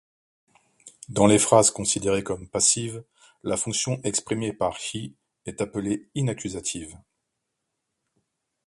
Dans les phrases considérées comme passives, la fonction exprimée par 被 est appelée inaccusative.